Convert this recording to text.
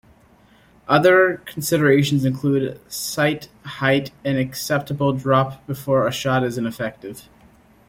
Other considerations include sight height and acceptable drop before a shot is ineffective.